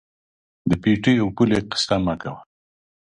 د پټي او پولې قیصه مه کوه.